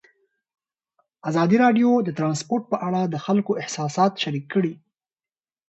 ازادي راډیو د ترانسپورټ په اړه د خلکو احساسات شریک کړي.